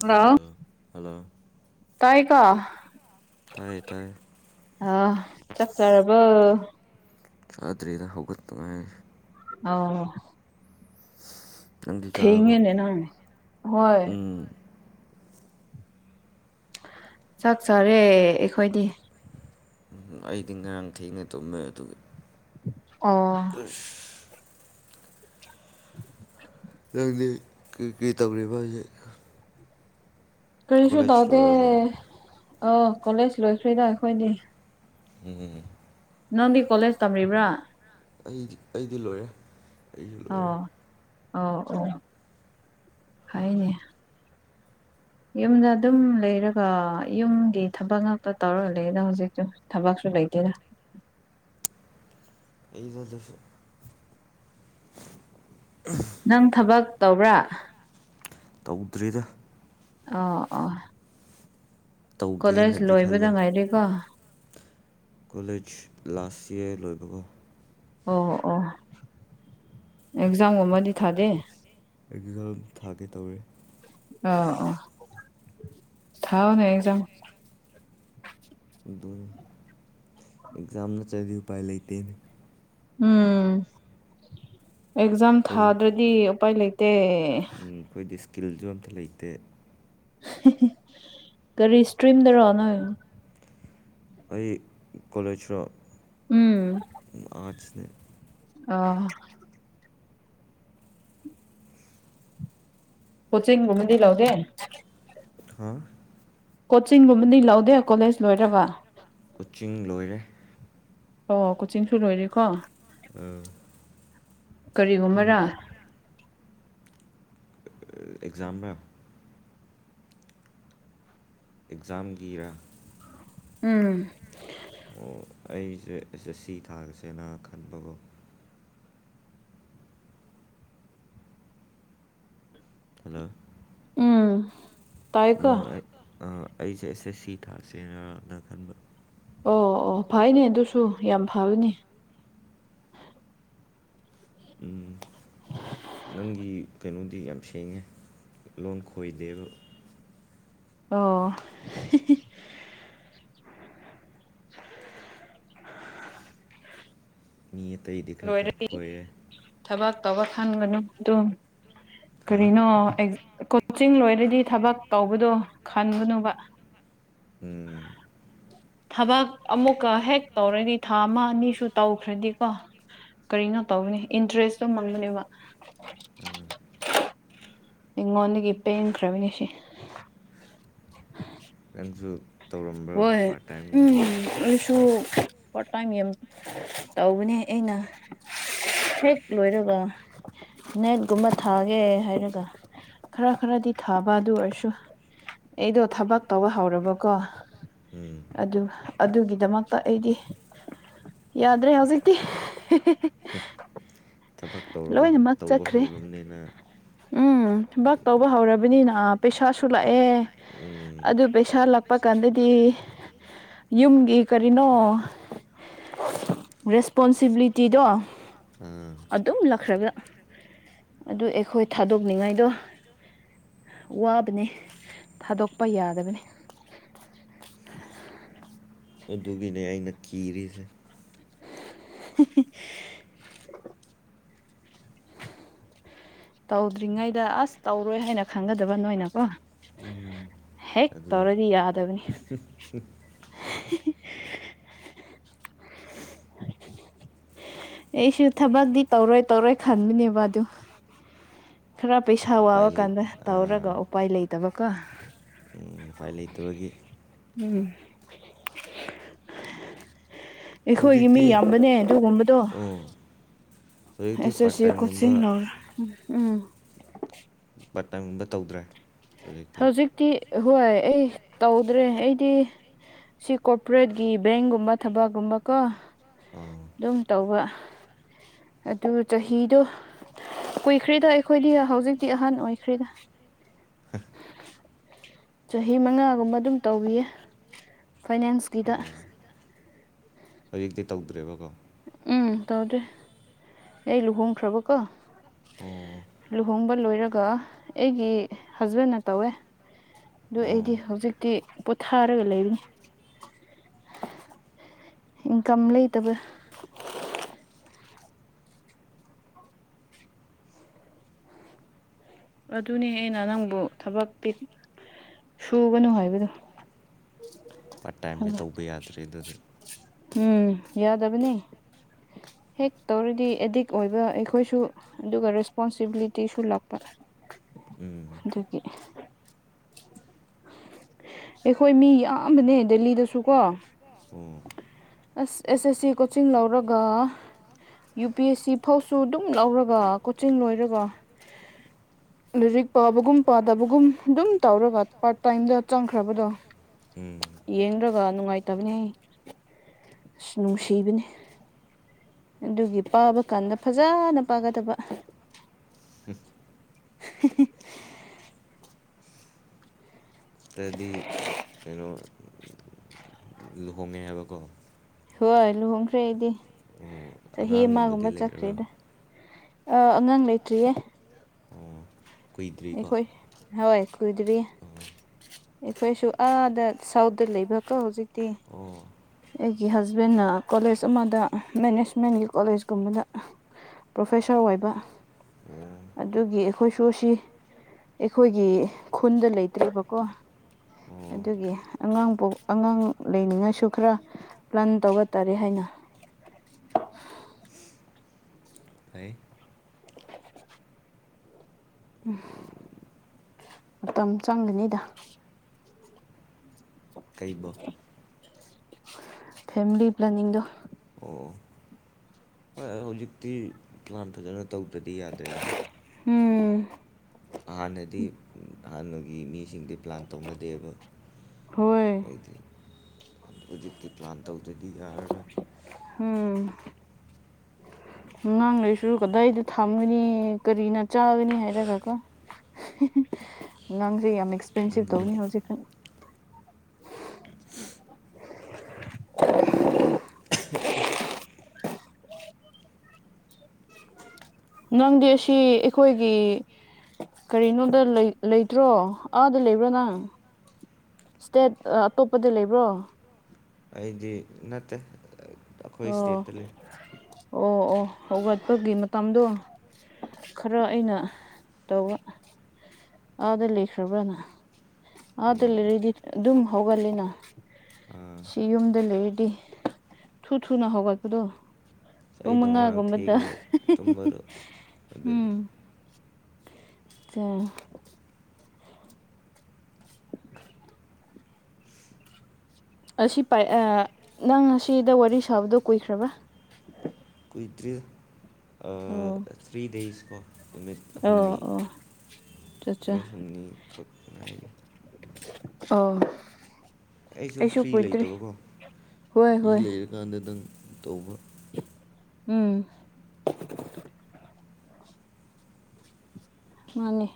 hello ꯇꯥꯏ ꯄꯥ ꯇꯥꯏꯌꯦ ꯇꯥꯏꯌꯦ ꯑꯣ ꯆꯥꯛ ꯆꯔꯕꯣ ꯉꯥꯗ꯭ꯔꯤꯗ ꯍꯧꯒꯠꯇꯉꯥꯏꯔꯤ ꯑꯧ ꯊꯦꯡꯉꯦꯅꯦ ꯅꯪ ꯍꯣꯏ ꯆꯥꯛꯆꯔꯦ ꯑꯩꯈꯣꯏꯗꯤ ꯎꯝ ꯑꯩꯗꯤ ꯉꯔꯥꯡ ꯊꯦꯡꯅ ꯇꯨꯝꯃꯦ ꯑꯗꯨꯒꯤ ꯑꯣ ꯑꯁ [unintelligible] ꯅꯪꯗꯤ ꯀꯩ ꯀꯩ ꯇꯧꯔꯤꯕ ꯍꯥꯖꯤꯛ ꯀꯔꯤꯁꯨ ꯇꯎꯗꯦ ꯑ ꯀꯣꯂꯦꯖ ꯂꯣꯏꯈ꯭ꯔꯦꯗ ꯑꯩꯈꯣꯏꯗꯤ ꯑꯦ ꯅꯪꯗꯤ ꯀꯣꯂꯦꯖ ꯇꯝꯂꯤꯕ꯭ꯔꯥ ꯑꯩꯗꯤ ꯑꯩꯗꯤ ꯂꯣꯏꯔꯦ ꯑꯧ ꯑꯧ ꯐꯩꯅꯦ ꯌꯨꯝꯗ ꯑꯗꯨꯝ ꯂꯩꯔꯒ ꯌꯨꯝꯒꯤ ꯊꯕꯛ ꯉꯥꯛꯇ ꯇꯧꯔꯂꯗ ꯍꯧꯖꯤꯛꯇꯨ ꯊꯕꯛꯁꯨ ꯂꯩꯇꯦꯗ ꯑꯩꯖꯨ ꯑꯗꯨꯁꯨ [unintelligible] ꯅꯪ ꯊꯕꯛ ꯇꯧꯕ꯭ꯔꯥ ꯇꯧꯗ꯭ꯔꯤꯗ ꯑꯣ ꯑꯣ ꯀꯣꯂꯦꯖ ꯂꯣꯏꯕꯗ ꯉꯥꯏꯔꯤꯀꯣ ꯀꯣꯂꯦꯖ ꯂꯥꯁ ꯏꯌꯥꯔ ꯂꯣꯏꯕꯀꯣ ꯑꯣ ꯑꯣ ꯑꯦꯛꯖꯥꯝ ꯒꯨꯝꯕꯗꯤ ꯊꯥꯗꯦ ꯑꯦꯛꯖꯥꯝ ꯊꯥꯒꯦ ꯇꯧꯔꯤ ꯑ ꯑꯣ [unintelligible] ꯑꯗꯨꯅꯦ ꯑꯦꯛꯖꯥꯝ ꯅꯠꯇ꯭ꯔꯗꯤ ꯎꯄꯥꯏ ꯂꯩꯇꯦꯅꯦ ꯎꯝ ꯑꯦꯛꯖꯥꯝ ꯊꯥꯗ꯭ꯔꯗꯤ ꯎꯄꯥꯏ ꯂꯩꯇꯦ ꯎꯝ ꯑꯩꯈꯣꯏꯗꯤ ꯁ꯭ꯀꯤꯜꯁꯨ ꯑꯝꯇ ꯂꯩꯇꯦ ꯀꯔꯤ ꯏꯁꯇ꯭ꯔꯤꯝꯗꯔꯣ [unintelligible] ꯑꯩ ꯀꯣꯂꯦꯖꯔꯣ [inaudible] ꯑꯔꯠꯁꯅꯦ ꯑꯣ ꯀꯣꯆꯤꯡꯒꯨꯝꯕꯗꯤ ꯂꯧꯗꯦ ꯍꯥꯥ ꯀꯣꯆꯤꯡꯒꯨꯝꯕꯗꯤ ꯂꯧꯗꯦ ꯀꯣꯂꯦꯖ ꯂꯣꯏꯔꯒ ꯀꯣꯆꯤꯡ ꯂꯣꯏꯔꯦ ꯑꯣ ꯀꯣꯆꯤꯡꯁꯨ ꯂꯣꯏꯔꯦꯀꯣ [unintelligible] ꯀꯔꯤꯒꯨꯝꯕꯔꯥ ꯑꯦꯛꯖꯥꯝꯔ ꯑꯦꯛꯖꯥꯝꯒꯤꯔ ꯎꯝ ꯑꯣ ꯑꯩꯁꯦ ꯑꯦꯁꯑꯦꯁꯁꯤ ꯊꯥꯁꯦꯅ ꯈꯟꯕꯒꯣ ꯍꯜꯂꯣ ꯎꯝ [inaudible] ꯑꯩꯁꯦ ꯑꯦꯁ ꯑꯦꯁ ꯁꯤ ꯊꯥꯁꯦꯅ ꯈꯟꯕ ꯑꯣ ꯑꯣ ꯐꯩꯅꯦ ꯑꯗꯨꯁꯨ ꯌꯥꯝ ꯐꯕꯅꯤ ꯎꯝ ꯅꯪꯒꯤ ꯀꯩꯅꯣꯗꯤ ꯌꯥꯝ ꯁꯦꯡꯉꯦ ꯂꯣꯟ ꯈꯣꯏꯗꯦꯕ ꯑꯣ ꯃꯤ ꯑꯇꯩꯗꯤ ꯈꯔ ꯈꯛ ꯈꯣꯏꯌꯦ ꯊꯕꯛ ꯇꯧꯕ ꯈꯟꯒꯅꯨ ꯑꯗꯨꯝ ꯀꯔꯤꯅꯣ ꯑꯦꯛ ꯀꯣꯆꯤꯡ ꯂꯣꯏꯔꯗꯤ ꯊꯕꯛ ꯇꯧꯕꯗꯣ ꯈꯟꯒꯅꯨꯕ ꯎꯝ ꯊꯕꯛ ꯑꯃꯨꯛꯀ ꯍꯦꯛ ꯇꯧꯔꯗꯤ ꯊꯥ ꯑꯃ ꯑꯅꯤꯁꯨ ꯇꯧꯈ꯭ꯔꯗꯤꯀꯣ ꯀꯔꯤꯅꯣ ꯇꯧꯕꯅꯤ ꯏꯟꯇꯔꯦꯁꯇꯣ ꯃꯪꯒꯅꯦꯕ ꯎꯝ ꯑꯩꯉꯣꯟꯗꯒꯤ ꯄꯦꯟꯈ꯭ꯔꯕꯅꯤ ꯁꯤ ꯅꯪꯖꯨ ꯍꯣꯏ ꯎꯝ ꯑꯩꯁꯨ ꯄꯥꯔꯠ ꯇꯥꯏꯝ ꯌꯥꯝ ꯇꯧꯕꯅꯦ ꯑꯩꯅ ꯍꯦꯛ ꯂꯣꯏꯔꯒ ꯅꯦꯠꯒꯨꯝꯕ ꯊꯥꯒꯦ ꯍꯥꯏꯔꯒ ꯈꯔ ꯈꯔꯗꯤ ꯊꯥꯕ ꯑꯗꯨ ꯑꯣꯏꯔꯁꯨ ꯑꯩꯗꯣ ꯊꯕꯛ ꯇꯧꯕ ꯍꯧꯔꯕꯀꯣ ꯑꯗꯨ ꯑꯗꯨꯒꯤꯗꯃꯛꯇ ꯑꯩꯗꯤ ꯌꯥꯗ꯭ꯔꯦ ꯍꯧꯖꯤꯛꯇꯤ ꯊꯕꯛ ꯇꯧꯔꯕ ꯇꯧꯕ ꯍꯧꯔꯝꯅꯤꯅ ꯎꯝ ꯊꯕꯛ ꯇꯧꯕ ꯍꯧꯔꯕꯅꯤꯅ ꯄꯩꯁꯥꯁꯨ ꯂꯥꯛꯑꯦ ꯑꯗꯨ ꯄꯩꯁꯥ ꯂꯥꯛꯄ ꯀꯥꯟꯗꯗꯤ ꯌꯨꯝꯒꯤ ꯀꯔꯤꯅꯣ ꯔꯦꯁꯄꯣꯟꯁꯤꯕꯤꯂꯤꯇꯤꯗꯣ ꯑꯗꯨꯝ [unintelligible] ꯑꯗꯨ ꯑꯩꯈꯣꯏ ꯊꯥꯗꯣꯛꯅꯤꯡꯉꯥꯏꯗꯣ ꯋꯥꯕꯅꯦ ꯊꯥꯗꯣꯛꯄ ꯌꯥꯗꯕꯅꯤ ꯑꯗꯨꯒꯤꯅꯦ ꯑꯩꯅ ꯀꯤꯔꯤꯁꯦ [inaudible] ꯇꯧꯗ꯭ꯔꯤꯉꯩꯗ ꯑꯁ ꯇꯧꯔꯣꯏ ꯍꯥꯏꯅ ꯈꯟꯒꯗꯕ ꯅꯣꯏꯅꯀꯣ ꯍꯦꯛ ꯇꯧꯔꯗꯤ ꯌꯥꯗꯕꯅꯤ [inaudible] ꯑꯩꯁꯨ ꯊꯕꯛꯇꯤ ꯇꯧꯔꯣꯏ ꯇꯧꯔꯣꯏ ꯈꯟꯕꯅꯦꯕ ꯑꯗꯨ ꯈꯔ ꯄꯩꯁꯥ ꯋꯥꯕꯀꯥꯟꯗ ꯇꯧꯔꯒ ꯎꯄꯥꯏ ꯂꯩꯇꯕꯀꯣ ꯂꯩꯇꯕꯒꯤ ꯎꯝ ꯑꯩꯈꯣꯏꯒꯤ ꯃꯤ ꯌꯥꯝꯕꯅꯦ ꯑꯗꯨꯒꯨꯝꯕꯗꯣ ꯑꯦꯁ ꯑꯦꯁ ꯁꯤ ꯀꯣꯆꯤꯡ ꯂꯧꯔꯥ ꯎꯝ ꯄꯥꯔꯠ꯭ ꯇꯥꯏꯝ ꯒꯨꯝꯕ ꯇꯧꯗ꯭ꯔꯦ ꯍꯧꯖꯤꯛꯇꯤ ꯍꯣꯏ ꯑꯩ ꯇꯧꯗ꯭ꯔꯦ ꯑꯩꯗꯤ ꯁꯤ ꯀꯣꯔꯄꯣꯔꯦꯠꯀꯤ ꯕꯦꯡꯒꯨꯝꯕ ꯊꯕꯛꯒꯨꯝꯕ ꯀꯣ ꯗꯨꯝ ꯇꯧꯕ ꯑꯗꯨ ꯆꯍꯤꯗꯣ ꯀꯨꯏꯈ꯭ꯔꯦꯗ ꯑꯩꯈꯣꯏꯗꯤ ꯍꯧꯖꯤꯛꯇꯤ ꯑꯍꯟ ꯑꯣꯏꯈ꯭ꯔꯦꯗ ꯆꯍꯤ ꯃꯉꯥꯒꯨꯝꯕ ꯑꯗꯨꯝ ꯇꯧꯕꯤꯌꯦ ꯐꯥꯏꯅꯦꯟꯁꯀꯤꯗ ꯍꯧꯖꯤꯛꯇꯤ ꯇꯧꯗ꯭ꯔꯦꯕꯀꯣ ꯎꯝ ꯇꯧꯗ꯭ꯔꯦ ꯑꯩ ꯂꯨꯍꯣꯡꯈ꯭ꯔꯕꯀꯣ ꯑꯣ ꯂꯨꯍꯣꯡꯕ ꯂꯣꯏꯔꯒ ꯑꯩꯒꯤ ꯍꯁꯕꯦꯟꯅ ꯇꯧꯋꯦ ꯑꯗꯨ ꯑꯩꯗꯤ ꯍꯧꯖꯤꯛꯇꯤ ꯄꯣꯊꯥꯔꯒ ꯂꯩꯕꯅꯤ ꯏꯟꯀꯝ ꯂꯩꯇꯕ ꯑꯗꯨꯅꯦ ꯑꯩꯅ ꯅꯪꯕꯨ ꯊꯕꯛ ꯄꯤꯛ ꯁꯨꯒꯅꯨ ꯍꯥꯏꯕꯗꯣ ꯄꯥꯔꯠ ꯇꯥꯏꯝꯅ ꯇꯧꯕ ꯌꯥꯗ꯭ꯔꯦ ꯗꯨꯗꯤ ꯎꯝ ꯌꯥꯗꯕꯅꯤ ꯍꯦꯛ ꯇꯧꯔꯗꯤ ꯑꯦꯗꯤꯛ ꯑꯣꯏꯕ ꯑꯩꯈꯣꯏꯁꯨ ꯑꯗꯨꯒ ꯔꯦꯁꯄꯣꯟꯁꯤꯕꯤꯂꯤꯇꯤꯁꯨꯨ ꯂꯥꯛꯄ ꯗꯨꯒꯤ ꯑꯩꯈꯣꯏ ꯃꯤ ꯌꯥꯝꯕꯅꯦ ꯗꯦꯜꯂꯤꯗꯁꯨ ꯀꯣ ꯑꯁ ꯑꯦꯁ ꯑꯦꯁ ꯁꯤ ꯀꯣꯆꯤꯡ ꯂꯧꯔꯒ ꯌꯨ ꯄꯤ ꯑꯦꯁ ꯁꯤ ꯐꯥꯎꯁꯨ ꯑꯗꯨꯝ ꯂꯧꯔꯒ ꯀꯣꯆꯤꯡ ꯂꯣꯏꯔꯒ ꯂꯥꯏꯔꯤꯛ ꯄꯥꯕꯒꯨꯝ ꯄꯥꯗꯕꯒꯨꯝ ꯑꯗꯨꯝ ꯇꯧꯔꯒ ꯄꯥꯔꯠ ꯇꯥꯏꯝꯗ ꯆꯪꯈ꯭ꯔꯕꯗꯣ ꯌꯦꯡꯔꯒ ꯅꯨꯡꯉꯥꯏꯇꯕꯅꯦ ꯑꯩ ꯑꯁ ꯅꯨꯡꯁꯤꯕꯅꯦ ꯑꯗꯨꯒꯤ ꯄꯥꯕ ꯀꯥꯟꯗ ꯐꯖꯅ ꯄꯥꯒꯗꯕ [inaudible] ꯇꯗꯤ ꯀꯩꯅꯣ ꯂꯨꯍꯣꯡꯉꯦ ꯍꯥꯏꯕꯀꯣ ꯍꯣꯏ ꯂꯨꯍꯣꯡꯈ꯭ꯔꯦ ꯑꯩꯗꯤ ꯆꯍꯤ ꯑꯃꯒꯨꯝꯕ ꯆꯠꯈ꯭ꯔꯦꯗ ꯑꯥ ꯑꯉꯥꯡ ꯂꯩꯇ꯭ꯔꯤꯌꯦ ꯑꯩꯈꯣꯏ ꯍꯣꯏ ꯀꯨꯏꯗ꯭ꯔꯤꯌꯦ ꯑꯩꯈꯣꯏꯁꯨ ꯑꯥꯗ ꯁꯥꯎꯠꯗ ꯂꯩꯕꯀꯣ ꯍꯧꯖꯤꯛꯇꯤ ꯑꯩꯒꯤ ꯍꯁꯕꯦꯟꯅ ꯀꯣꯂꯦꯖ ꯑꯃꯗ ꯃꯦꯅꯦꯖꯃꯦꯟꯒꯤ ꯀꯣꯂꯦꯖꯒꯨꯝꯕꯗ ꯄ꯭ꯔꯣꯐꯦꯁꯔ ꯑꯣꯏꯕ ꯑꯗꯨꯒꯤ ꯑꯩꯈꯣꯏꯁꯨ ꯁꯤ ꯑꯩꯈꯣꯏꯒꯤ ꯈꯨꯟꯗ ꯂꯩꯇ꯭ꯔꯦꯕꯀꯣ ꯑꯗꯨꯒꯤ ꯑꯉꯥꯡ ꯑꯉꯥꯡ ꯂꯩꯅꯤꯡꯉꯥꯏꯁꯨ ꯈꯔ ꯄ꯭ꯂꯥꯟ ꯇꯧꯕ ꯇꯥꯔꯦ ꯍꯥꯏꯅ [inaudible] ꯎꯝ ꯃꯇꯝ ꯆꯪꯒꯅꯤꯗ ꯐꯦꯃꯤꯂꯤ ꯄ꯭ꯂꯥꯟꯅꯤꯡꯗꯣ ꯑꯣ ꯑꯣ ꯍꯧꯖꯤꯛꯇꯤ ꯄ꯭ꯂꯥꯟ ꯐꯖꯅ ꯇꯧꯗ꯭ꯔꯗꯤ ꯌꯥꯗ꯭ꯔꯦꯗꯅ ꯎꯝ ꯍꯥꯟꯅꯗꯤ ꯍꯥꯟꯅꯒꯤ ꯃꯤꯁꯤꯡꯗꯤ ꯄ꯭ꯂꯥꯟ ꯇꯧꯅꯗꯦꯕ ꯃꯣꯢꯗꯤ ꯍꯧꯖꯤꯛꯇꯤ ꯄ꯭ꯂꯥꯟ ꯇꯧꯗ꯭ꯔꯗꯤ ꯌꯥꯔꯔꯣꯏ ꯎꯝ ꯑꯉꯥꯡꯗꯣꯏꯁꯨ ꯀꯗꯥꯏꯗ ꯊꯝꯒꯅꯤ ꯀꯔꯤꯅ ꯆꯥꯒꯅꯤ ꯍꯥꯏꯔꯒꯀꫭ ꯑꯉꯥꯡꯁꯦ ꯌꯥꯝ ꯑꯦꯛꯁꯄꯦꯟꯁꯤꯞ ꯇꯧꯕꯅꯤ ꯍꯧꯖꯤꯛꯒꯥꯟ [unintelligible] ꯅꯪꯗꯤ ꯑꯁꯤ ꯑꯩꯈꯣꯏꯒꯤ ꯀꯔꯤꯅꯣꯗ ꯂꯩ ꯂꯩꯇ꯭ꯔꯣ ꯑꯥꯗ ꯂꯩꯕ꯭ꯔꯥ ꯅꯪ ꯏꯁ꯭ꯇꯦꯠ ꯑꯇꯣꯞꯄꯗ ꯂꯩꯕ꯭ꯔꯣ ꯑꯩꯗꯤ ꯅꯠꯇꯦ ꯑꯣ ꯑꯣ ꯑꯣ ꯍꯧꯒꯠꯄꯒꯤ ꯃꯇꯝꯗꯣ ꯈꯔ ꯑꯩꯅ ꯇꯧꯕ ꯑꯥꯗ ꯂꯩꯈ꯭ꯔꯕ꯭ꯔꯅ ꯑꯗ ꯂꯩꫪꯥꯗꯤ ꯑꯗꯨꯝ ꯍꯧꯒꯠꯂꯤꯅ ꯁꯤ ꯌꯨꯝꯗ ꯂꯩꯔꯗꯤ ꯊꯨ ꯊꯨꯅ ꯍꯧꯒꯠꯄꯗꯣ ꯄꯨꯡ ꯃꯉꯥꯒꯨꯝꯕꯗ ꯎꯝ ꯑꯠꯆꯥ ꯑꯁꯤ ꯄꯥꯏ ꯑꯥ ꯅꯪ ꯑꯁꯤꯗ ꯋꯥꯔꯤ ꯁꯥꯕꯗꯣ ꯀꯨꯏꯈ꯭ꯔꯕꯥ ꯀꯨꯏ ꯇ꯭ꯔꯤ ꯊ꯭ꯔꯤ ꯗꯦꯁ ꯀꯣ ꯅꯨꯃꯤꯠ ꯍꯨꯝꯅꯤ ꯅꯨꯃꯤꯠ ꯍꯨꯝꯅꯤ ꯈꯛ ꯉꯥꯏꯔꯤ ꯑꫭ ꯑꯩꯁꯨ ꯐ꯭ꯔꯤ ꯂꯩꯇꯕꯀꯣ ꯐ꯭ꯔꯤ ꯂꯩꯔꯀꯥꯟꯗ ꯇꯧꯕ ꯎꯝ ꯃꯥꯅꯦ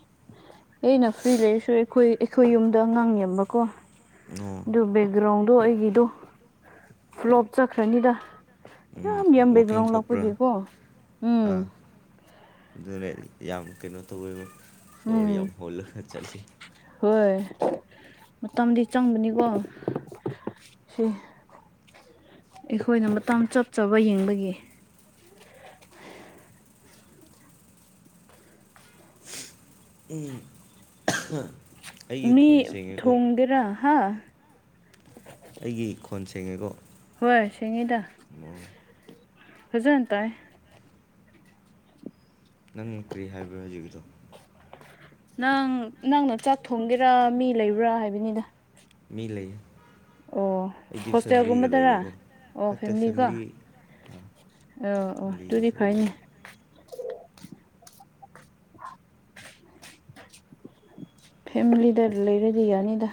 ꯑꯩꯅ ꯐ꯭ꯔꯤ ꯂꯩꯔꯁꯨ ꯑꯩꯈꯣꯏ ꯑꯩꯈꯣꯏ ꯌꯨꯝꯗ ꯑꯉꯥꯡ ꯌꯥꯝꯕꯀꯣ ꯑꯗꯨ ꯕꯦꯛꯒ꯭ꯔꯥꯎꯟꯗꯣ ꯑꯩꯒꯤꯗꯣ ꯐ꯭ꯂꯣꯞ ꯆꯠꯈ꯭ꯔꯅꯤꯗ ꯌꯥꯝ ꯌꯥꯝ ꯕꫪ‌ꯦꯛꯒꫪꯥꯎ ꯂꯥꯛꯄꯒꯤ ꯀꫭ ꯎꯝ ꯑꯗꯨꯅ‌ꯦ ꯌꯥꯝ ꯀꯩꯅꯣ ꯇꯧꯋ‌ꯦꯕ ꯁꫭꯔ ꯌꯥꯝ ꯍꯣꯜꯂꯒ ꯆꯠꯂꯦ ꯍꯣꯏ ꯃꯇꯝꯗꯤ ꯆꯪꯕꯅꯤꯀꯣ ꯁꯤ ꯑꯩꯈꯣꯏꯅ ꯃꯇꯝ ꯆꯞ ꯆꯥꯕ ꯌꯦꯡꯕꯒꯤ ꯎꯝ ꯃꯤ ꯊꯣꯡꯒꯦꯔꯥ ꯍꯥꯥ ꯑꯩꯒꯤ ꯈꯣꯟ ꯁꯦꯡꯉꯦꯀꯣ ꯍꯣꯏ ꯁꯤꯡꯉꯤꯗ ꯐꯖꯅ ꯇꯥꯏ ꯅꯪ ꯀ꯭ꯔꯤ ꯍꯥꯏꯕ ꯍꯧꯖꯤꯛꯀꯤꯗꫭ ꯅꯪ ꯅꯪꯅ ꯆꯥꯛ ꯊꯣꯡꯒꯦꯔꯥ ꯃꯤ ꯂꯩꯕ꯭ꯔꯥ ꯍꯥꯏꯕꯅꯤꯗ ꯃꯤ ꯂꯩ ꯑꯩꯗꯤ ꯐꯦꯃꯤꯂꯤꯒ ꯂꯩꯕꯀꯣ ꯅꯠꯇꯦ ꯐꯦꯃꯤꯂꯤ ꯑ ꯑ ꯑꯣ ꯇꯨꯗꯤ ꯐꯥꯏꯌꯦ [unintelligible] ꯐꯦꯃꯤꯂꯤꯗ ꯂꯩꯔꯗꯤ ꯌꯥꯅꯤꯗ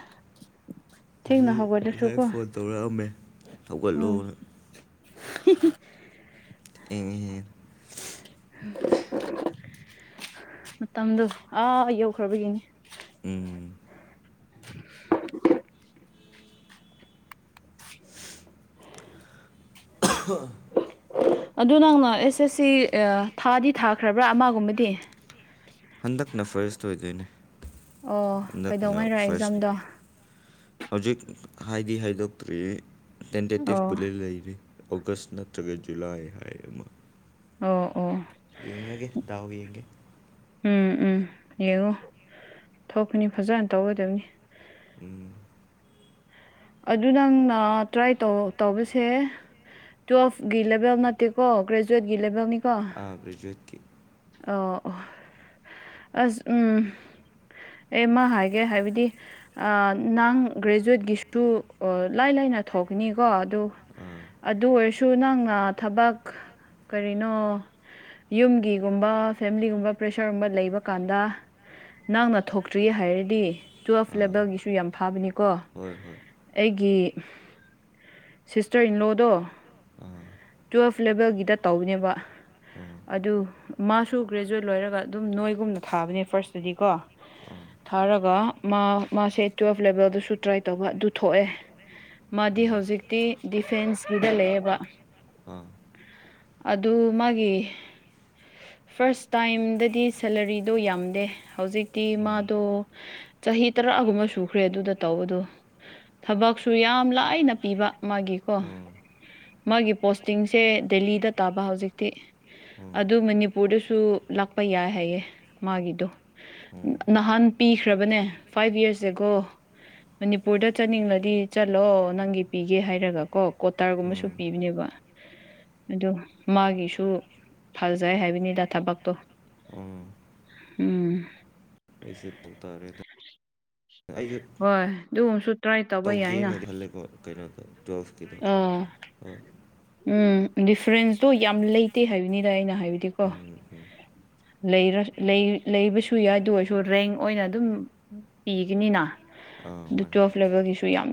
ꯑꯗꯨ ꯉꯁꯥꯏ ꯐꯣꯟ ꯇꯧꯔꯛꯑꯝꯃꯦ ꯍꯧꯒꯠꯂꯣꯅ [unintelligible] ꯊꯦꯡꯉꯦꯍꯦ [unintelligible] ꯃꯇꯝꯗꯨ ꯑꯥ ꯌꯧꯈ꯭ꯔꯕꯒꯤꯅꯤ ꯎꯝ [unintelligible] [unintelligible] ꯑꯗꯨ ꯅꯪꯅ ꯑꯦꯁ ꯑꯦꯁ ꯁꯤ ꯑꯥ ꯊꯥꯗꯤ ꯊꯥꯈ꯭ꯔꯕ꯭ꯔꯥ ꯑꯃꯒꯨꯝꯕꯗꯤ ꯍꯟꯗꯛꯅ ꯐꯔꯁ ꯑꯣꯏꯗꯣꯏꯅꯦ ꯍꯟꯗꯛꯅ ꯐꯔꯁ ꯍꯧꯖꯤꯛ ꯍꯥꯏꯗꯤ ꯍꯥꯏꯗꯣꯛꯇ꯭ꯔꯤ ꯇꯦꯟꯇꯦꯇꯤꯞ ꯄꯨꯗꯤ ꯂꯩꯔꯤ ꯑꯣꯒꯁ ꯅꯠꯇ꯭ꯔꯒ ꯖꯨꯂꯥꯏ ꯍꯥꯏ ꯑꯃꯥ ꯑꯣ ꯑꯣ ꯌꯦꯡꯉꯒꯦ ꯗꯥꯎ ꯌꯦꯡꯒꯦ ꯎꯝ ꯎꯝ ꯌꯦꯡꯉꯣ ꯊꯣꯛꯄꯅꯤ ꯐꯖꯅ ꯇꯧꯒꯗꯕꯅꯤ ꯎꯝ ꯑꯗꯨ ꯅꯪꯅ ꯇ꯭ꯔꯥꯏ ꯇꯧ ꯇꯧꯕꯁꯦ ꯇ꯭ꯋꯦꯜꯚ ꯒꯤ ꯂꯦꯕꯦꯜ ꯅꯠꯇꯦꯀꯣ ꯒ꯭ꯔꯦꯖꯨꯌꯦꯠ ꯒꯤ ꯂꯦꯕꯦꯜꯅꯤ ꯀꯣ ꯑꯥ ꯒ꯭ꯔꯦꯖ꯭ꯋꯦꯠꯀꯤ ꯑꯣ ꯑꯣ ꯑꯁ ꯎꯝ ꯑꯦ ꯃꯥ ꯍꯥꯏꯒꯦ ꯍꯥꯏꯕꯗꯤ ꯑꯥ ꯅꯪ ꯒ꯭ꯔꯦꯖꯨꯋꯦꯠꯀꯤꯁꯨ ꯂꯥꯏ ꯂꯥꯏꯅ ꯊꯣꯛꯀꯅꯤꯀꯣ ꯑꯗꯨ ꯑꯗꯨ ꯑꯣꯏꯔꯁꯨ ꯁꯨ ꯅꯪꯅ ꯊꯕꯛ ꯀꯔꯤꯅꯣ ꯌꯨꯝꯒꯤ ꯒꯨꯝꯕ ꯐꯦꯃꯤꯂꯤꯒꯨꯝꯕ ꯄ꯭ꯔꯦꯁꯔꯒꯨꯝꯕ ꯂꯩꯕ ꯀꯥꯟꯗ ꯅꯪꯅ ꯊꯣꯛꯇ꯭ꯔꯤꯌꯦ ꯍꯥꯏꯔꯗꯤ ꯇꯨꯋꯦꯜꯐ ꯂꯦꯕꯦꯜꯒꯤꯁꯨ ꯌꯥꯝ ꯐꯥꯕꯅꯤꯀꯣ ꯍꯣꯏ ꯍꯣꯏ ꯑꯩꯒꯤ ꯁꯤꯁꯇꯔ ꯏꯟꯂꯣꯗꯣ ꯇꯨꯋꯦꯜꯐ ꯂꯦꯚꯦꯜꯒꯤꯗ ꯇꯧꯕꯅꯦꯕ ꯑꯗꯨ ꯃꯥꯁꯨ ꯒ꯭ꯔꯦꯖꯨꯋꯦꯠ ꯂꯣꯏꯔꯒ ꯑꯗꯨꯝ ꯅꯣꯏꯒꯨꯝꯅ ꯊꯥꯕꯅꯦ ꯐꯥꯔꯁꯇꯗꯤꯀꯣ ꯊꯥꯔꯒ ꯃꯥ ꯃꯥꯁꯦ ꯇꯨꯋꯦꯜꯐ ꯂꯦꯚꯦꯜꯗꯁꯨ ꯇ꯭ꯔꯥꯏ ꯇꯧꯕ ꯑꯗꯨ ꯊꯣꯛꯑꯦ ꯃꯥꯗꯤ ꯍꯧꯖꯤꯛꯇꯤ ꯗꯤꯐꯦꯟꯁꯀꯤꯗ ꯂꯩꯑꯦꯕ ꯑꯗꯨ ꯃꯥꯒꯤ ꯐꯥꯔꯁ ꯇꯥꯏꯝꯗꯗꯤ ꯁꯦꯂꯔꯤꯗꯣ ꯌꯥꯝꯗꯦ ꯍꯧꯖꯤꯛꯇꯤ ꯃꯥꯗꯣ ꯆꯍꯤ ꯇꯔꯥꯒꯨꯝꯕ ꯁꯨꯈ꯭ꯔꯦ ꯑꯗꯨꯗ ꯇꯧꯕꯗꯣ ꯊꯕꯛꯁꯨ ꯌꯥꯝ ꯂꯥꯏꯅ ꯄꯤꯕ ꯃꯥꯒꯤꯀꯣ ꯃꯥꯒꯤ ꯄꯣꯁꯇꯤꯡꯁꯦ ꯗꯦꯜꯂꯤꯗ ꯇꯥꯕ ꯍꯧꯖꯤꯛꯇꯤ ꯑꯗꯨ ꯃꯅꯤꯄꯨꯔꯗꯁꯨ ꯂꯥꯛꯄ ꯌꯥꯏ ꯍꯥꯏꯌꯦ ꯃꯥꯒꯤꯗꯣ ꯅꯍꯥꯟ ꯄꯤꯈ꯭ꯔꯕꯅꯦ ꯐꯥꯏꯚ ꯏꯌꯔꯁ ꯑꯦꯒꯣ ꯃꯅꯤꯄꯨꯔꯗ ꯆꯠꯅꯤꯡꯂꯗꯤ ꯆꯠꯂꯣ ꯅꯪꯒꯤ ꯄꯤꯒꯦ ꯍꯥꯏꯔꯒ ꯀꯣ ꯀꯣꯇꯔꯒꯨꯝꯕꯁꯨ ꯄꯤꯕꯅꯦꯕ ꯑꯗꯣ ꯃꯥꯒꯤꯁꯨ ꯐꯖꯩ ꯍꯥꯏꯕꯅꯤꯗ ꯊꯕꯛꯇꯣ ꯎꯝ ꯑꯩꯁꯨ ꯊꯨꯡ ꯇꯥꯔꯦꯗ ꯍꯣꯏ ꯑꯗꯨꯒꯨꯝꯕꯁꯨ ꯇꯧꯒꯦꯅꯗꯤ ꯈꯜꯂꯦꯀꯣ ꯀꯩꯅꯣꯗ ꯎꯝ ꯎꯝ ꯗꯤꯐ꯭ꯔꯦꯟꯁꯇꯣ ꯌꯥꯝ ꯂꯩꯇꯦ ꯍꯥꯏꯕꯅꯤꯗ ꯑꯩꯅ ꯍꯥꯏꯕꯗꯤꯀꯣ ꯂꯩ ꯂꯩꯕꯁꯨ ꯌꯥꯏ ꯑꯗꯨ ꯑꯣꯏꯔꯁꯨ ꯔꯦꯡ ꯑꯣꯏꯅ ꯑꯗꯨꯝ ꯄꯤꯒꯅꯤꯅ ꯑꯗꯨ ꯇꯨꯋꯦꯜꯐ ꯂꯦꯚꯦꯜꯒꯤꯁꯨ ꯌꯥꯝ ꯌꯥ